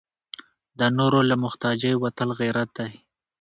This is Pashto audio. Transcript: د نورو له محتاجۍ وتل غیرت دی.